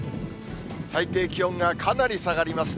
最低気温がかなり下がりますね。